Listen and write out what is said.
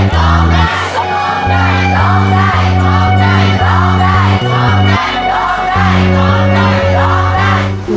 โทษอด้วย